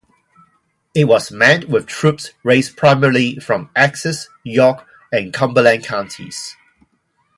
It was manned with troops raised primarily from Essex, York, and Cumberland Counties.